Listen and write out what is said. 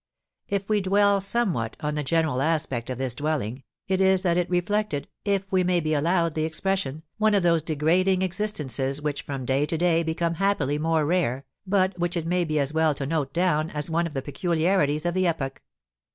If we dwell somewhat on the general aspect of this dwelling, it is that it reflected (if we may be allowed the expression) one of those degrading existences which from day to day become happily more rare, but which it may be as well to note down as one of the peculiarities of the epoch.